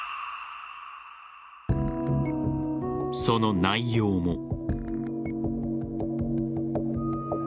その内容も。